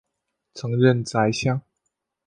曾任宰相。